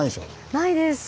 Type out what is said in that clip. ないです。